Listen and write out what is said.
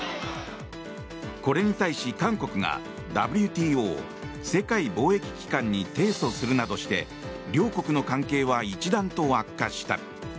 これに対し、韓国がＷＴＯ・世界貿易機関に提訴するなどして両国の関係は一段と悪化した。